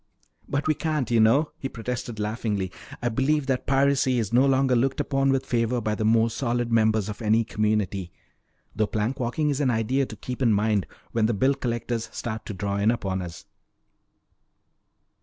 "But we can't, you know," he protested laughingly. "I believe that piracy is no longer looked upon with favor by the more solid members of any community. Though plank walking is an idea to keep in mind when the bill collectors start to draw in upon us."